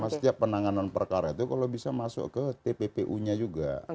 setiap penanganan perkara itu kalau bisa masuk ke tppu nya juga